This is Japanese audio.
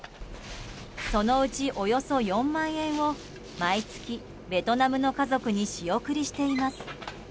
そのうち、およそ４万円を毎月、ベトナムの家族に仕送りしています。